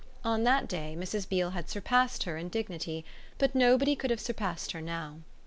On that day Mrs. Beale had surpassed her in dignity, but nobody could have surpassed her now.